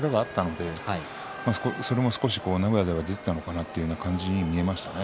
それも少し名古屋では出ていたのかなという感じに見えましたね。